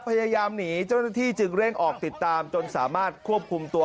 พยายามหนีเจ้าหน้าที่จึงเร่งออกติดตามจนสามารถควบคุมตัว